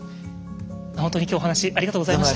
本当に今日お話ありがとうございました。